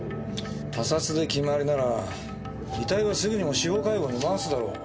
他殺で決まりなら遺体はすぐにも司法解剖に回すだろ。